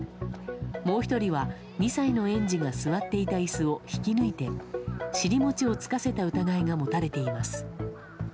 もう１人は２歳の園児が座っていた椅子を引き抜いて尻もちをつかせた疑いが持たれています。